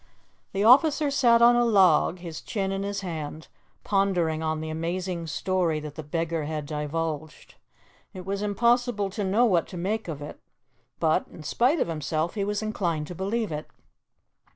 The officer sat on a log, his chin in his hand, pondering on the amazing story that the beggar had divulged. It was impossible to know what to make of it, but, in spite of himself, he was inclined to believe it.